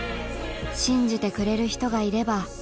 信じてくれる人がいれば